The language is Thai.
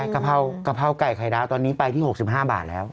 กะเพรากะเพราไก่ไข่ดาวตอนนี้ไปที่๖๕บาทแล้ว